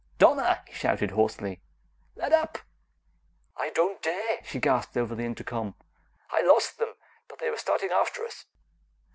"Donna!" he shouted hoarsely. "Let up!" "I don't dare," she gasped over the intercom. "I lost them, but they were starting after us!"